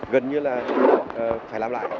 gần như là phải làm lại